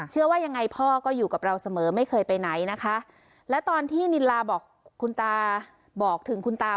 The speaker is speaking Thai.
เชื่อว่ายังไงพ่อก็อยู่กับเราเสมอไม่เคยไปไหนนะคะและตอนที่นิลาบอกคุณตาบอกถึงคุณตา